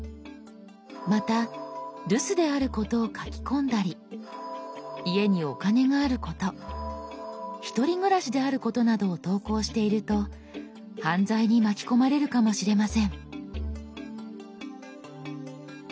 また留守であることを書き込んだり家にお金があること１人暮らしであることなどを投稿していると犯罪に巻き込まれるかもしれません。